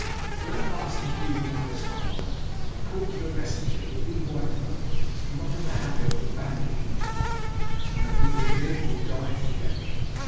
When at last he grew more or less quiet I called to the messenger that we white folk were not in the habit of abandoning each other, and that we would live or die together.